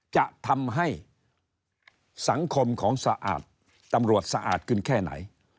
จะทำให้สังคมของสะอาดตำรวจสะอาดขึ้นแค่ไหน